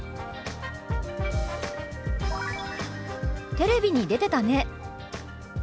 「テレビに出てたね」。